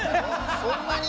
そんなに？